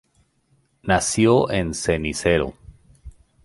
Nació en Cenicero.